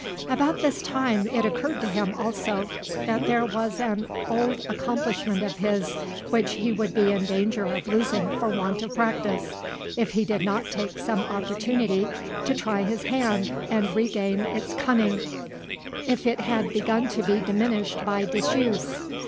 About this time it occurred to him also that there was an old accomplishment of his which he would be in danger of losing for want of practice, if he did not take some opportunity to try his hand and regain its cunning, if it had begun to be diminished by disuse.